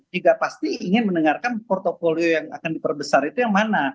juga pasti ingin mendengarkan portfolio yang akan diperbesar itu yang mana